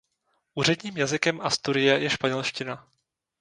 Úředním jazykem Asturie je španělština.